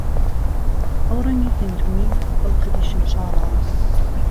ئهو ڕهنگی گهندومی و ئهو قهدی شمشاڵه